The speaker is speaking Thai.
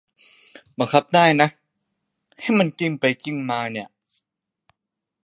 บังคับได้อะ ให้มันกลิ้งไปกลิ้งมา